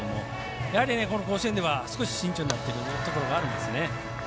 やはりこの甲子園では少し慎重になっているところがあるんですね。